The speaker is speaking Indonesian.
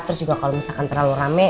terus juga kalau misalkan terlalu rame